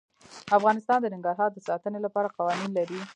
افغانستان د ننګرهار د ساتنې لپاره قوانین لري.